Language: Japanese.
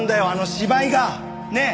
芝居が！ねえ！